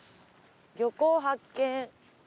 漁港発見。